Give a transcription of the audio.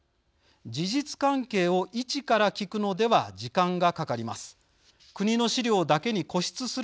事実関係を一から聞くのでは時間がかかります。